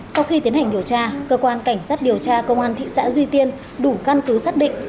sau khi tiến hành điều tra cơ quan cảnh sát điều tra công an thị xã duy tiên đủ căn cứ xác định